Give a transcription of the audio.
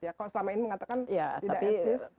ya kalau selama ini mengatakan tidak etis